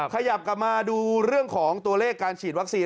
ขยับกลับมาดูเรื่องของตัวเลขการฉีดวัคซีน